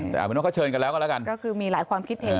แต่เอาเป็นว่าเขาเชิญกันแล้วก็แล้วกันก็คือมีหลายความคิดเห็น